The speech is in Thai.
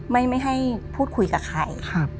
ไม่ให้พูดคุยกับใคร